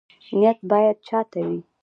نیت باید چا ته وي؟